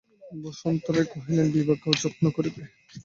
বসন্ত রায় কহিলেন, বিভাকে অযত্ন করিবে!